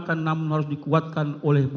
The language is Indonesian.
kita harus membuatnya